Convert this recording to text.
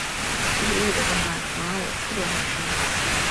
吉卜力的动漫总让我触动很深